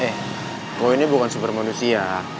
eh gue ini bukan super manusia